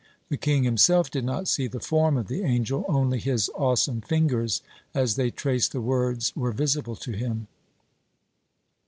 The king himself did not see the form of the angel, only his awesome fingers as they traced the words were visible to him.